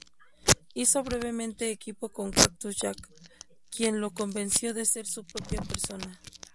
Hizo brevemente equipo con Cactus Jack, quien lo convenció de ser su propia persona.